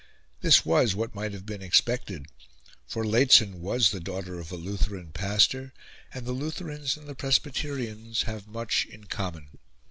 This was what might have been expected; for Lehzen was the daughter of a Lutheran pastor, and the Lutherans and the Presbyterians have much in common.